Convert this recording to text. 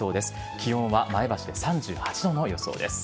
気温は、前橋で３８度の予想です。